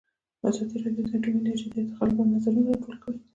ازادي راډیو د اټومي انرژي د ارتقا لپاره نظرونه راټول کړي.